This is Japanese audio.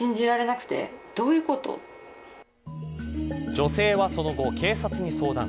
女性はその後、警察に相談。